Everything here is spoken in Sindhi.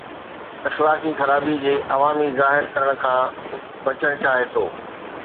اخلاقي خرابي جي عوامي ظاهر ڪرڻ کان بچڻ چاهي ٿو